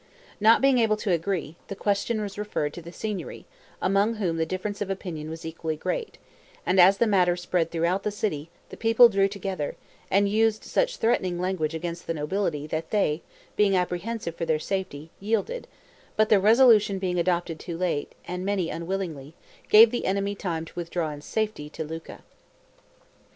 Not being able to agree, the question was referred to the Signory, among whom the difference of opinion was equally great; and as the matter spread throughout the city, the people drew together, and used such threatening language against the nobility that they, being apprehensive for their safety, yielded; but the resolution being adopted too late, and by many unwillingly, gave the enemy time to withdraw in safety to Lucca.